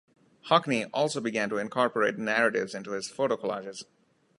Hockney also began to incorporate narratives into his photo collages.